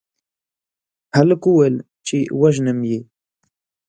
هلک وويل چې وژنم يې